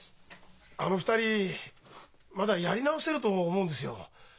あの２人まだやり直せると思うんですよ。